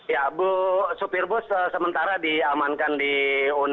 ya sopir bus sementara diamankan di unit